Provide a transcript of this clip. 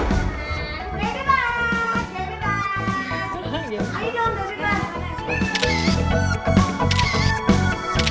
maafin michi kalau michi banyak salah sama mama